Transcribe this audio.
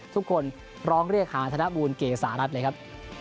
ทุกคนร้องเรียกหาธนบูลเกษารัฐเลยครับ